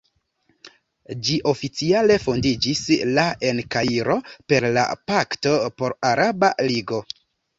Ĝi oficiale fondiĝis la en Kairo, per la "Pakto por la Araba Ligo".